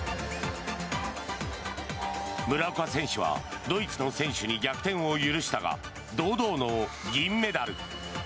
村岡選手はドイツの選手に逆転を許したが堂々の銀メダル。